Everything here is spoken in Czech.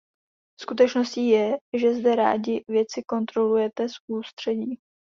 Skutečností je, že zde rádi věci kontrolujete z ústředí.